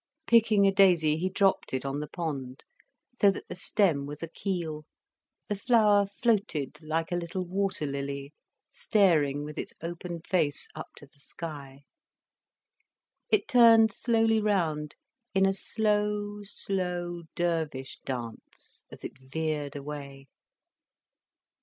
Picking a daisy he dropped it on the pond, so that the stem was a keel, the flower floated like a little water lily, staring with its open face up to the sky. It turned slowly round, in a slow, slow Dervish dance, as it veered away.